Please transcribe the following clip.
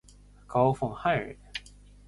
高凤翰人。